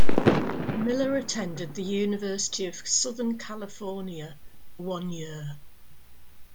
Miller attended the University of Southern California for one year.